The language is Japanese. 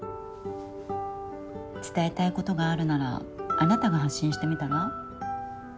伝えたいことがあるならあなたが発信してみたら？